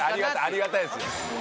ありがたいですよ。